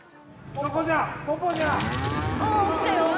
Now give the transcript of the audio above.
ここじゃ！